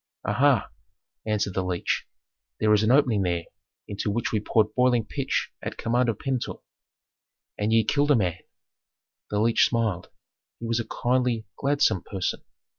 "Aha!" answered the leech. "There is an opening there into which we poured boiling pitch at command of Pentuer." "And ye killed a man " The leech smiled. He was a kindly, gladsome person.